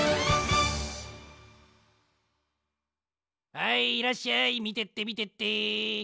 はいいらっしゃいみてってみてって。